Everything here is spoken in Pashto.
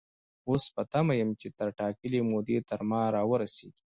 اوس په تمه يم چې تر ټاکلې مودې تر ما را ورسيږي.